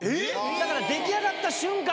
だから出来上がった瞬間